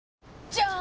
じゃーん！